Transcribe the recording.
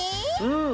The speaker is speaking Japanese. うん！